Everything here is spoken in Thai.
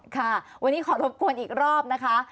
ค่ะวันนี้ขอรบกวนอีกรอบนะคะ